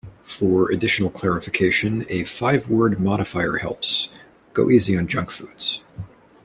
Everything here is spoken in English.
For additional clarification, a five-word modifier helps: go easy on junk foods.